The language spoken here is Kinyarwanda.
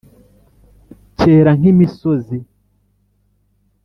kera nkimisozi